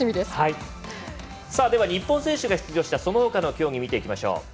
日本選手が出場したそのほかの競技見ていきましょう。